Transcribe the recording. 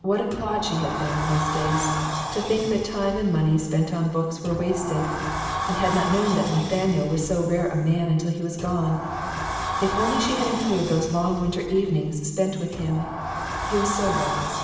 What a clod she had been in those days, to think that time and money spent on books were wasted, and had not known that Nathaniel was so rare a man until he was gone. If only she had improved those long winter evenings spent with him ; he was so wise.